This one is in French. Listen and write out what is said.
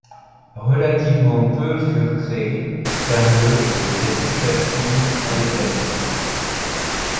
Relativement peu furent créés car le était plus facile à déplacer.